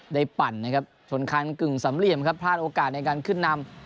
ปั่นนะครับชนคันกึ่งสำเหลี่ยมครับพลาดโอกาสในการขึ้นนำ